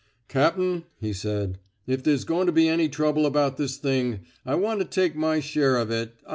Cap'n/' he said, if there's goin' to be any trouble about this thing, I want to take my share of it.